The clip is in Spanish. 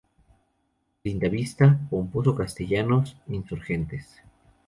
Linda Vista, Pomposo Castellanos, Insurgentes.